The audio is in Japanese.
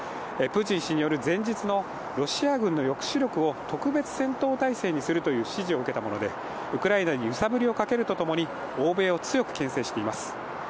プーチン氏による前日のロシア軍の抑止力を特別戦闘態勢にするという指示を受けたものでウクライナに揺さぶりをかけるとともに欧米を強くけん制しています。